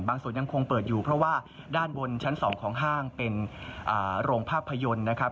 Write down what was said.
สวนยังคงเปิดอยู่เพราะว่าด้านบนชั้น๒ของห้างเป็นโรงภาพยนตร์นะครับ